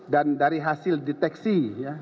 dan dari hasil deteksi ya